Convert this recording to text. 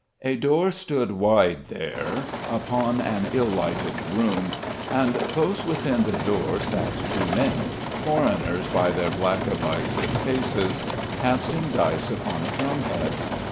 A door stood wide there upon an ill lighted room, and close within the door sat two men foreigners by their black avised faces casting dice upon a drumhead.